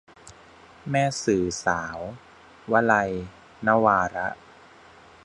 แม่สื่อสาว - วลัย นวาระ